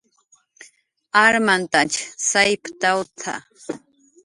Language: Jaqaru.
"Armantach sayptawt""a"